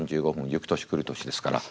「ゆく年くる年」ですから。